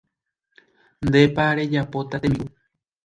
Ndépa rejapóta tembi'u.